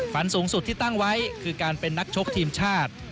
ฝันสูงสุดที่ตั้งไว้คือการเป็นนักชกทีมชาติ